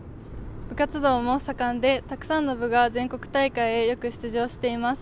部活動も盛んでたくさんの部が全国大会へよく出場しています。